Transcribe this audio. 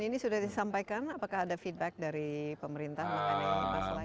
dan ini sudah disampaikan apakah ada feedback dari pemerintah mengenai perasaan lain